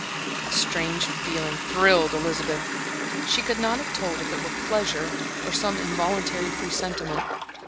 A strange feeling thrilled Elizabeth. She could not have told if it were pleasure, or some involuntary presentiment.